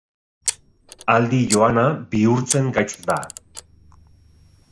Aldi joana bihurtzen gaitz da.